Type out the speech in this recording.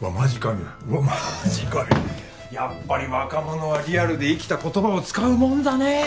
マジ神やっぱり若者はリアルで生きた言葉を使うもんだねえ